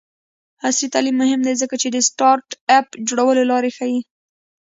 عصري تعلیم مهم دی ځکه چې د سټارټ اپ جوړولو لارې ښيي.